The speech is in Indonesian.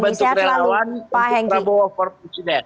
kami membentuk relawan untuk prabowo for president